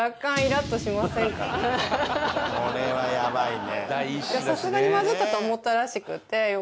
これはやばいね！